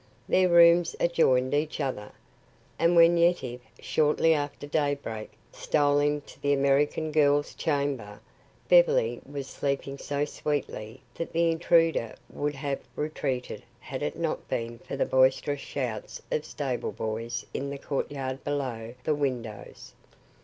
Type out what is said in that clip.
Their rooms adjoined each other, and when Yetive, shortly after daybreak, stole into the American girl's chamber, Beverly was sleeping so sweetly that the intruder would have retreated had it not been for the boisterous shouts of stable boys in the courtyard below the windows.